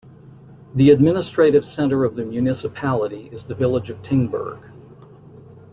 The administrative centre of the municipality is the village of Tingberg.